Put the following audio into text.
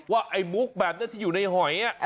ไอ้มุกแบบนี้ที่อยู่ในหอย